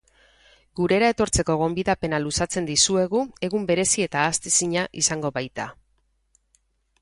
Gurera etortzeko gonbidapena luzatzen dizuegu, egun berezi eta ahaztezina izango baita.